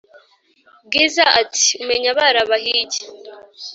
bwiza ati"umenya barabahigi